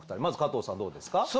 まず加藤さんどうですか？